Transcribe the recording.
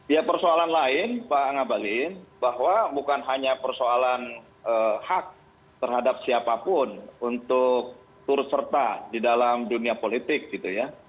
ya persoalan lain pak ngabalin bahwa bukan hanya persoalan hak terhadap siapapun untuk turut serta di dalam dunia politik gitu ya